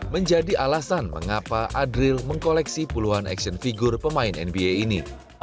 menjadi alasan mengapa adril mengkoleksi puluhan action figure pemain nba ini